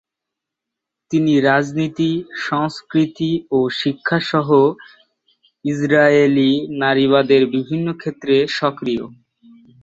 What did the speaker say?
তিনি রাজনীতি, সংস্কৃতি ও শিক্ষা সহ ইসরায়েলি নারীবাদের বিভিন্ন ক্ষেত্রে সক্রিয়।